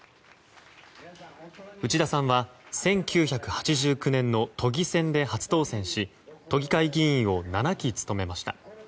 内田さんは１９８９年の都議選で初当選し都議会議員を７期、務めました。